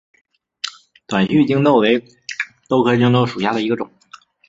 短序棘豆为豆科棘豆属下的一个种。